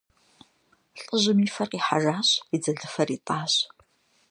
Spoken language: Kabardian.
Лӏыжьым и фэр къихьэжащ, и дзэлыфэр итӀащ.